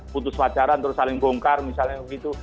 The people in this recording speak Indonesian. putus pacaran terus saling bongkar misalnya begitu